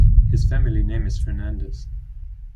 His family name is "Fernandes".